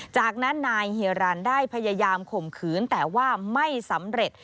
จากนั้นนายเฮียรันได้พยายามข่มขืนแต่ว่าไม่สำเร็จ